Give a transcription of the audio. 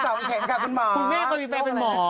เบิ้ลสองแข่งกับคุณหมอคุณแม่เคยมีแฟนเป็นหมอ